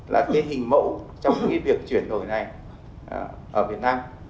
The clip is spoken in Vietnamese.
là cái hình mẫu trong cái việc chuyển đổi này ở việt nam